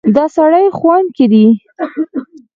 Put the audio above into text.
دا سړی ښوونکی دی.